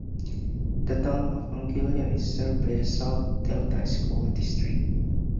The town of Anguilla is served by the South Delta School District.